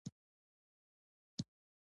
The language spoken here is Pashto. سترګي یې کښته واچولې !